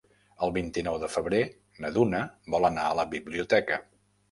El vint-i-nou de febrer na Duna vol anar a la biblioteca.